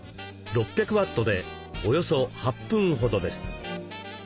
６００ワットでおよそ８分ほどです。